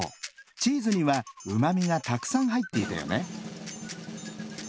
チーズにはうまみがたくさんはいっていたよね。